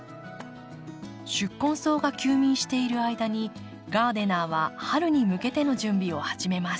宿根草が休眠している間にガーデナーは春に向けての準備を始めます。